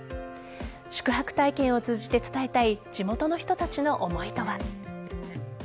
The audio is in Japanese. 宿泊体験を通じて伝えたい地元の人たちの思いとは。